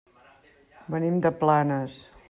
Venim de Planes.